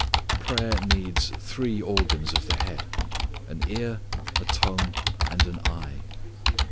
Prayer needs three organs of the head, an ear, a tongue and an eye.